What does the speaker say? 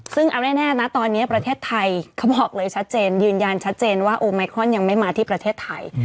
ซึ่งเอาแน่นะตอนนี้ประเทศไทยเขาบอกเลยชัดเจนยืนยันชัดเจนว่าโอไมครอนยังไม่มาที่ประเทศไทย